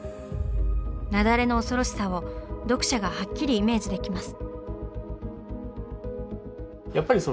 雪崩の恐ろしさを読者がはっきりイメージできます。